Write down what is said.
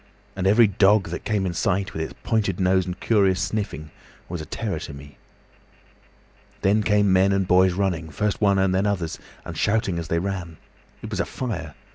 And every dog that came in sight, with its pointing nose and curious sniffing, was a terror to me. "Then came men and boys running, first one and then others, and shouting as they ran. It was a fire.